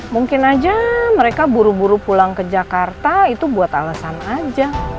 mungkin aja mereka buru buru pulang ke jakarta itu buat alasan aja